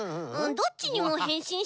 どっちにもへんしん？